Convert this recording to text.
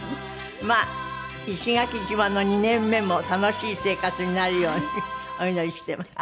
まあ石垣島の２年目も楽しい生活になるようにお祈りしてます。